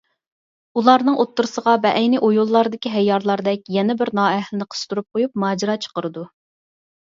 ئۇلارنىڭ ئوتتۇرىسىغا بەئەينى ئويۇنلاردىكى ھەييارلاردەك يەنە بىر نائەھلىنى قىستۇرۇپ قويۇپ ماجىرا چىقىرىدۇ.